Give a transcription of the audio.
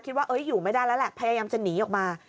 คิดว่าอยู่ไม่ได้แล้วแหละพยายามจะหนีออกมา